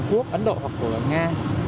hàn quốc ấn độ hoặc của nga